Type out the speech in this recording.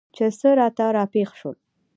چې څه راته راپېښ شول؟